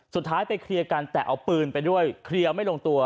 สุดท้ายไปเคลียร์กันแต่เอาปืนไปด้วยเคลียร์ไม่ลงตัว